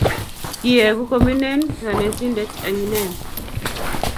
kiyeku kominen konetindet eng' inen.